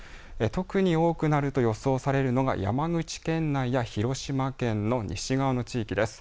特に多くなると予想されるのが広島県の西側の地域です。